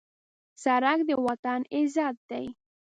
سړک د وطن عزت دی.